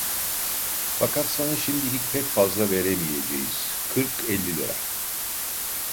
Fakat sana şimdilik pek fazla veremeyeceğiz: Kırk elli lira…